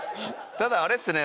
ただあれですね